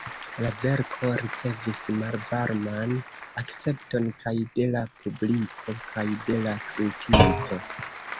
La verko ricevis malvarman akcepton, kaj de la publiko kaj de la kritiko.